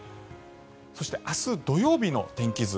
そして、明日土曜日の天気図。